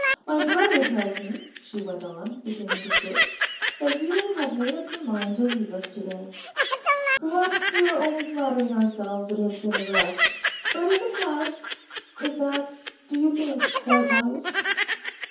'My brother tells me,' she went on, beginning to stitch, 'that you have made up your mind to leave us to day. Perhaps we are only flattering ourselves it has been a rest. But if it has—is that, do you think, quite wise?